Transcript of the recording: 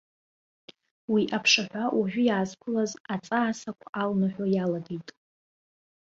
Уи аԥшаҳәа уажәы иаазқәылаз аҵаа сақә алнаҳәо иалагеит.